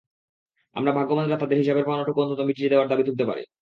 আমরা ভাগ্যবানরা তাদের হিসাবের পাওনাটুকু অন্তত মিটিয়ে দেওয়ার দাবি তুলতে পারি।